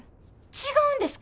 違うんですか？